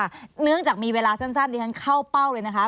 เนื่องจากมีเวลาสั้นดิฉันเข้าเป้าเลยนะคะ